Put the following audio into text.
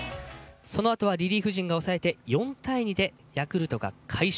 そのあとはリリーフ陣が抑えて４対２でヤクルトが快勝。